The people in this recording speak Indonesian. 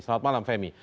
selamat malam femi